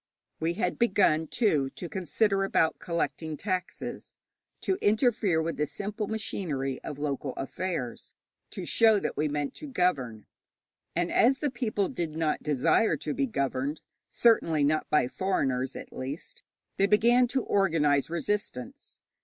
We had begun, too, to consider about collecting taxes, to interfere with the simple machinery of local affairs, to show that we meant to govern. And as the people did not desire to be governed certainly not by foreigners, at least they began to organize resistance.